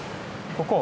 ここ？